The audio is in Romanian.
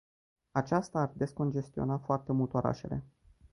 Aceasta ar descongestiona foarte mult orașele.